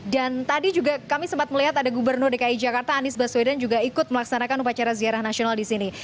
dan tadi juga kami sempat melihat ada gubernur dki jakarta anies baswedan juga ikut melaksanakan upacara ziarah nasional di sini